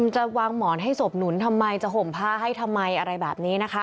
จะวางหมอนให้ศพหนุนทำไมจะห่มผ้าให้ทำไมอะไรแบบนี้นะคะ